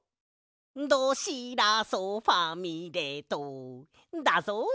「ドシラソファミレド」だぞ。